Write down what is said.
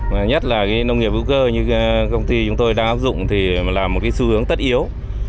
và nhất là cái nông nghiệp hữu cơ như công ty chúng tôi đang áp dụng thì là một cái xu hướng tất yếu